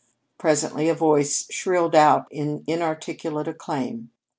Presently a voice shrilled out in inarticulate acclaim.